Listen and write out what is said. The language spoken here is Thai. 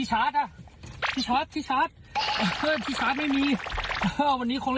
ฉันรู้ทำไมคะ